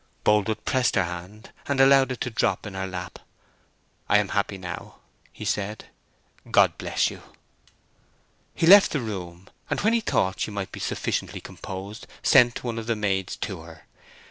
Boldwood pressed her hand, and allowed it to drop in her lap. "I am happy now," he said. "God bless you!" He left the room, and when he thought she might be sufficiently composed sent one of the maids to her.